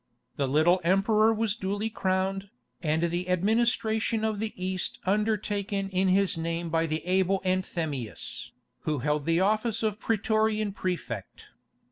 The little emperor was duly crowned, and the administration of the East undertaken in his name by the able Anthemius, who held the office of Praetorian Praefect.